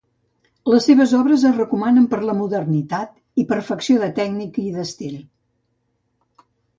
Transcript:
Les seves obres es recomanen per la modernitat i perfecció de tècnica i d'estil.